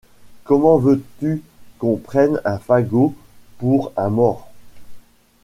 Comment veux-tu qu’on prenne un fagot pour un mort ?